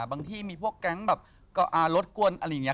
บางที่มีพวกแก๊งก์ลดกวน